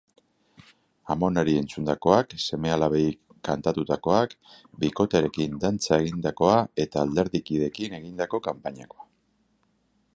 Amonari entzundakoak, seme-alabei kantatutakoak, bikotearekin dantza egindakoa eta alderdikideekin egindako kanpainakoa.